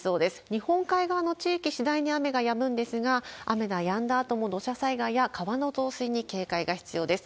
日本海側の地域、次第に雨がやむんですが、雨がやんだあとも土砂災害や川の増水に警戒が必要です。